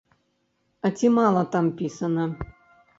І ці мала там пісана?!